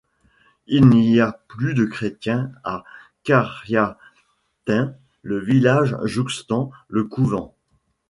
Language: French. Il n'y a plus de chrétiens à Qaryatayn, le village jouxtant le couvent.